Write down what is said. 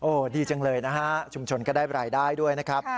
ดีจังเลยนะฮะชุมชนก็ได้รายได้ด้วยนะครับ